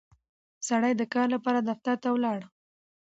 سړی د کار لپاره دفتر ته ولاړ